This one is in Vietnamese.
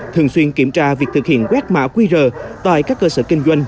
thường xuyên kiểm tra việc thực hiện quét mã quy rờ tại các cơ sở kinh doanh